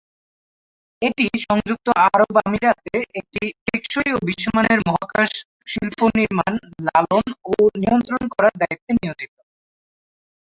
এটি সংযুক্ত আরব আমিরাতে একটি টেকসই ও বিশ্বমানের মহাকাশ শিল্প নির্মাণ, লালন ও নিয়ন্ত্রণ করার দায়িত্বে নিয়োজিত।